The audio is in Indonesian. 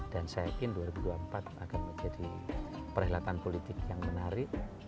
dan saya yakin dua ribu dua puluh empat akan menjadi perhelatan politik yang menarik